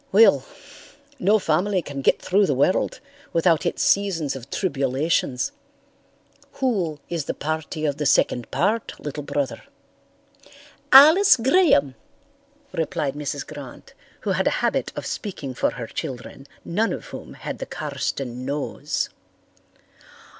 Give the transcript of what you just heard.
Well, no family can get through the world without its seasons of tribulations. Who is the party of the second part, little brother?" "Alice Graham," replied Mrs. Grant, who had a habit of speaking for her children, none of whom had the Carston nose.